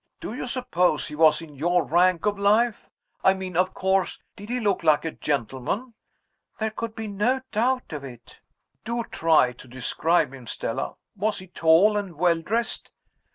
Do you suppose he was in our rank of life? I mean, of course, did he look like a gentleman?" "There could be no doubt of it." "Do try to describe him, Stella. Was he tall and well dressed?"